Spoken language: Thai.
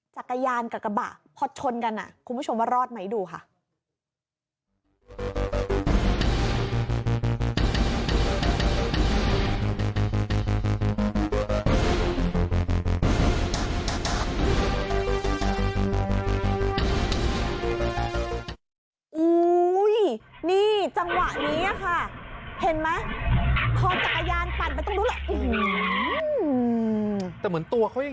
จักรยานกับกระบะ